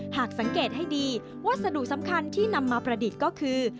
หากสังเกตให้ดีวัสดุสำคัญที่นำมาประดิษฐ์ก็คือ